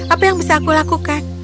apa yang bisa aku lakukan